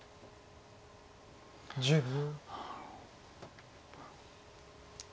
１０秒。